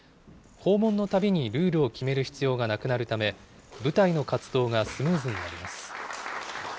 訪問のたびにルールを決める必要がなくなるため、部隊の活動がスムーズになります。